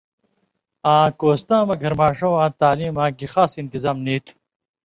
آں کوستاں مہ گھریۡماݜہ واں تعلیماں گی خاص انتظام نی تُھو۔